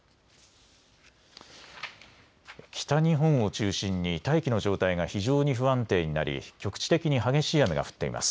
北日本を中心に大気の状態が非常に不安定になり局地的に激しい雨が降っています。